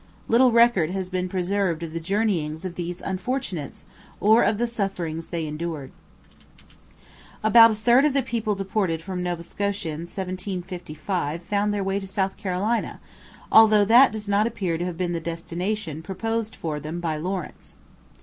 Little record has been preserved of the journeyings of these unfortunates or of the sufferings they endured. About a third of the people deported from Nova Scotia in 1755 found their way to South Carolina, although that does not appear to have been the destination proposed for them by Lawrence.